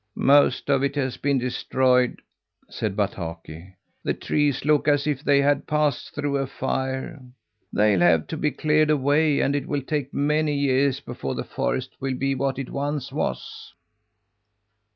"Most of it has been destroyed," said Bataki. "The trees look as if they had passed through a fire. They'll have to be cleared away, and it will take many years before the forest will be what it once was."